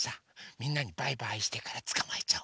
みんなにバイバイしてからつかまえちゃお。